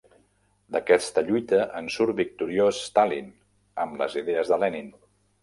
D'aquesta lluita en surt victoriós Stalin amb les idees de Lenin.